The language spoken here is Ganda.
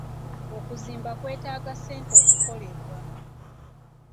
Okuzimba kwetaaga ssente okukolebwa.